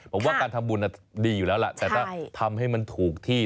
ผมว่าการทำบุญดีอยู่แล้วล่ะแต่ถ้าทำให้มันถูกที่